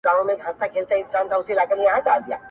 د هيندارو يوه لار کي يې ويده کړم,